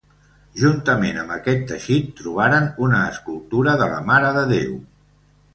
Juntament amb aquest teixit, trobaren una escultura de la Mare de Déu.